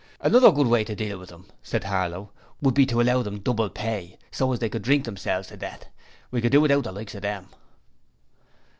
'Another good way to deal with 'em,' said Harlow, 'would be to allow them double pay, so as they could drink themselves to death. We could do without the likes of them.'